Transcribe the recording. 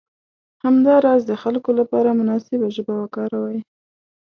همداراز د خلکو لپاره مناسبه ژبه وکاروئ.